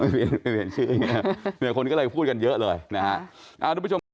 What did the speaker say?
ไม่เปลี่ยนชื่อคนก็เลยพูดกันเยอะเลยนะฮะ